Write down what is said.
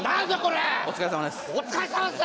お疲れさまです。